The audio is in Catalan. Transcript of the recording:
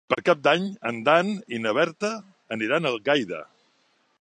Per Cap d'Any en Dan i na Berta aniran a Algaida.